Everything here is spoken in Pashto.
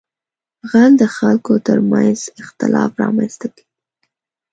غل د خلکو تر منځ اختلاف رامنځته کوي